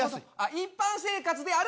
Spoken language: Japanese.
一般生活である。